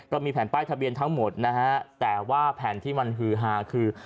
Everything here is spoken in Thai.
ก็มีแผ่นป้ายทะเบียนทั้งหมดนะฮะแต่ว่าแผ่นที่มันฮือฮาคือ